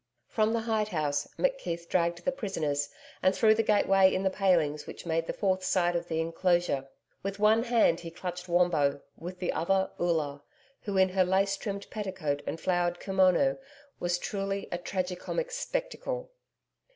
From the hide house, McKeith dragged the prisoners, and through the gateway in the palings which made the fourth side of the enclosure. With one hand he clutched Wombo, with the other Oola, who in her lace trimmed petticoat and flowered kimono was truly a tragi comic spectacle.